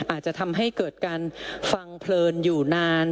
อาจจะทำให้เกิดการฟังเพลินอยู่นาน